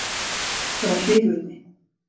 Do you wanna watch a movie with me?